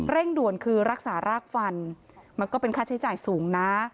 ด่วนคือรักษารากฟันมันก็เป็นค่าใช้จ่ายสูงนะ